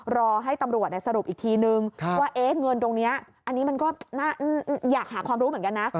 รอให้ตำรวจสรุปอีกทีนึงว่าเงินตรงนี้อันนี้มันก็น่าอยากหาความรู้เหมือนกันนะ